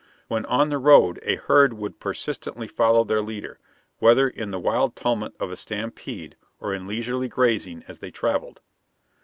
When on the road a herd would persistently follow their leader, whether in the wild tumult of a stampede or in leisurely grazing as they traveled.